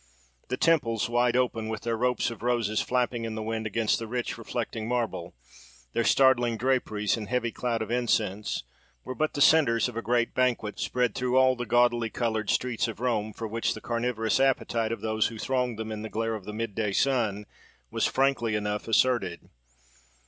The temples, wide open, with their ropes of roses flapping in the wind against the rich, reflecting marble, their startling draperies and heavy cloud of incense, were but the centres of a great banquet spread through all the gaudily coloured streets of Rome, for which the carnivorous appetite of those who thronged them in the glare of the mid day sun was frankly enough asserted.